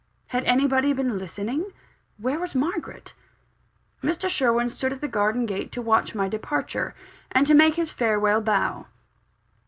Had anybody been listening? Where was Margaret? Mr. Sherwin stood at the garden gate to watch my departure, and to make his farewell bow.